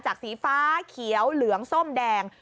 สีฟ้าเขียวเหลืองส้มแดง